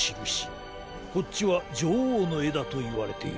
こっちはじょおうのえだといわれている。